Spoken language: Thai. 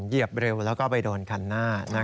เหยียบเร็วแล้วก็ไปโดนคันหน้า